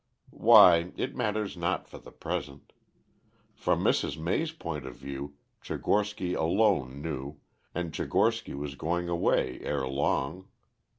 Why, it matters not for the present. From Mrs. May's point of view Tchigorsky alone knew, and Tchigorsky was going away ere long.